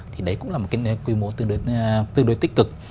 thì đấy cũng là một quy mô tương đối tích cực